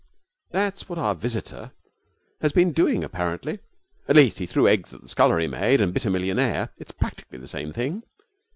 That's what our visitor has been doing apparently. At least, he threw eggs at the scullery maid and bit a millionaire. It's practically the same thing.